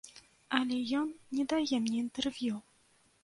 Але ён не дае мне інтэрв'ю.